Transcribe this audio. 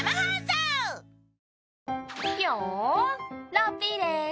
ラッピーです。